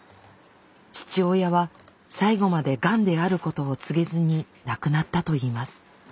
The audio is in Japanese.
父親は最期までがんであることを告げずに亡くなったといいます。